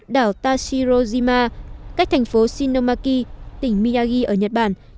đảo tashirojima cách thành phố shinomaki tỉnh miyagi ở nhật bản